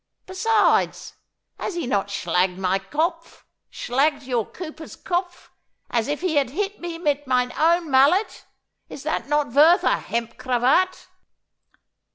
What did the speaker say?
Besides, has he not schlagged my kopf schlagged your cooper's kopf as if he had hit me mit mine own mallet? Is that not vorth a hemp cravat?